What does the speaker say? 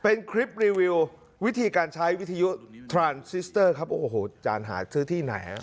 เป็นคลิปรีวิววิธีการใช้วิทยุทรานซิสเตอร์ครับโอ้โหจานหาซื้อที่ไหนฮะ